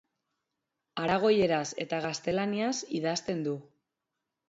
Aragoieraz eta gaztelaniaz idazten du.